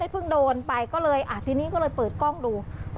พึ่งโดนไปก็เลยอ่าทีนี้ก็เลยเปิดกล้องดูครับ